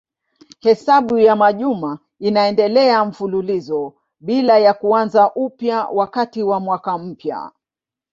Hesabu ya majuma inaendelea mfululizo bila ya kuanza upya wakati wa mwaka mpya.